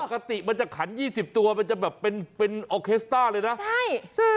ปกติมันจะขัน๒๐ตัวมันจะแบบเป็นเป็นออเคสต้าเลยนะใช่